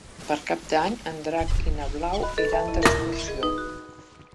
Per Cap d'Any en Drac i na Blau iran d'excursió.